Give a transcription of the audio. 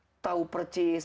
orang yang tahu persis